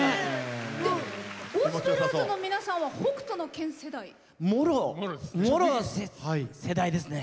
ゴスペラーズの皆さんは「北斗の拳」世代？もろ世代ですね！